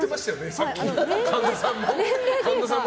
さっき神田さんも。